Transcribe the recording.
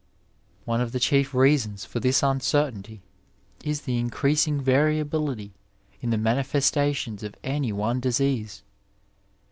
One of the chief leasons for this uncertainty is the in creasing variability in the manifestations of any one dis ease.